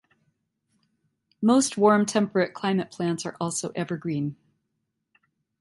Most warm temperate climate plants are also evergreen.